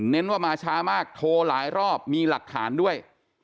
ว่ามาช้ามากโทรหลายรอบมีหลักฐานด้วย